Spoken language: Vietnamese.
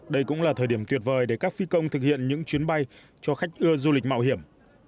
đây cũng là thời điểm tuyệt vời để các phi công thực hiện những chuyến bay cho khách ưa du lịch mạo hiểm